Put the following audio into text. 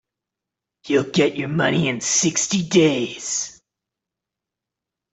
You'll get your money in sixty days.